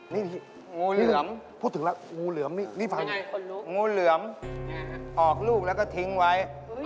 นี่พี่พูดถึงลักษณ์งูเหลือมนี่ฟังนะครับงูเหลือมออกลูกแล้วก็ทิ้งไว้